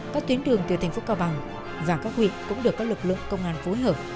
các tuyến đường từ thành phố cao bằng và các huyện cũng được các lực lượng công an phối hợp